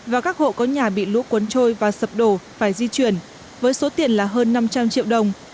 và các hộ có nhà bị lũ cuốn trôi và sập đổ phải di chuyển với số tiền là hơn năm trăm linh triệu đồng